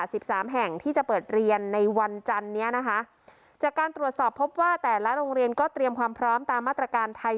สิบสามแห่งที่จะเปิดเรียนในวันจันเนี้ยนะคะจากการตรวจสอบพบว่าแต่ละโรงเรียนก็เตรียมความพร้อมตามมาตรการไทย